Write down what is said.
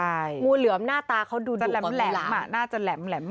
ใช่จะแหลมแหลมมากน่าจะแหลมแหลมกว่างูเหลือมหน้าตาเขาดูดุกกว่างูหลาม